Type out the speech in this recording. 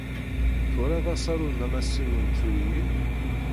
Twalaḍ asaru n Amasiw n Tlulliyin?